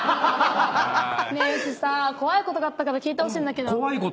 うちさ怖いことがあったから聞いてほしいんだ。